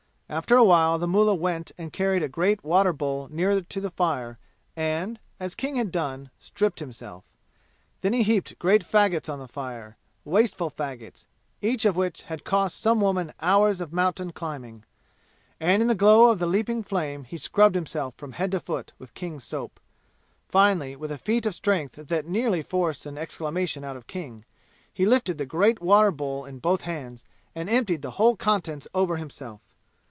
After a while the mullah went and carried a great water bowl nearer to the fire and, as King had done, stripped himself. Then he heaped great fagots on the fire wasteful fagots, each of which had cost some woman hours of mountain climbing. And in the glow of the leaping flame he scrubbed himself from head to foot with King's soap. Finally, with a feat of strength that nearly forced an exclamation out of King, he lifted the great water bowl in both hands and emptied the whole contents over himself.